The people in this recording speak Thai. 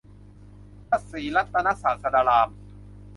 พระศรีรัตนศาสดาราม